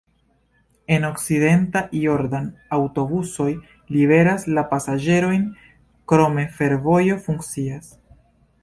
En Okcidenta Jordan aŭtobusoj liveras la pasaĝerojn, krome fervojo funkcias.